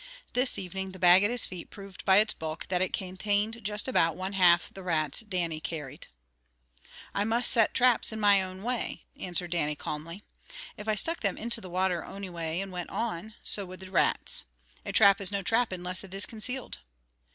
This evening the bag at his feet proved by its bulk that it contained just about one half the rats Dannie carried. "I must set my traps in my own way," answered Dannie calmly. "If I stuck them into the water ony way and went on, so would the rats. A trap is no a trap unless it is concealed."